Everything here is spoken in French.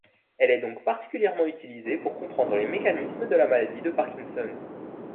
Elle est donc particulièrement utilisée pour comprendre les mécanismes de la maladie de Parkinson.